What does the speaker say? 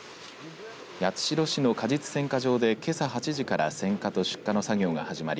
八代市の果実選果場でけさ８時から選果と出荷の作業が始まり